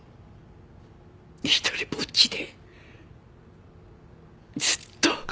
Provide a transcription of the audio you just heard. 独りぼっちでずっと。